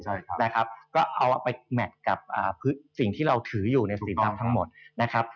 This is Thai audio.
ใช่ครับนะครับก็เอาไปแมทกับสิ่งที่เราถืออยู่ในสีดำทั้งหมดนะครับ